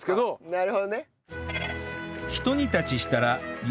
なるほどね。